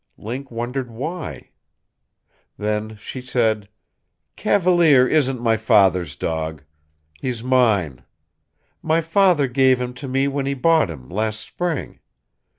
Link wondered why. Then she said: "Cavalier isn't my father's dog. He is mine. My father gave him to me when he bought him, last spring.